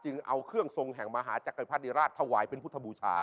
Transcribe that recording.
เอาเครื่องทรงแห่งมหาจักรพรรดิราชถวายเป็นพุทธบูชา